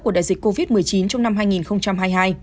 của đại dịch covid một mươi chín trong năm hai nghìn hai mươi hai